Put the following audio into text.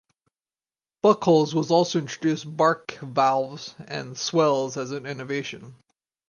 Buchholz also introduced barque valves and swells as an innovation.